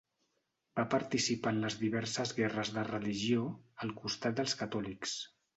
Va participar en les diverses guerres de religió, al costat dels catòlics.